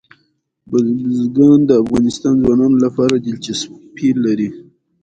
بزګان د افغان ځوانانو لپاره دلچسپي لري.